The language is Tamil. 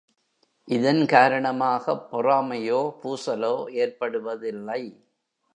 இதன் காரணமாகப் பொறாமையோ, பூசலோ ஏற்படுவதில்லை.